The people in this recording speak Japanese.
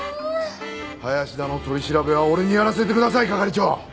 林田の取り調べは俺にやらせてください係長！